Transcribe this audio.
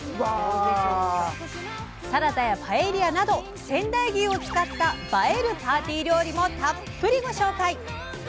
サラダやパエリアなど仙台牛を使った「映えるパーティー料理」もたっぷりご紹介！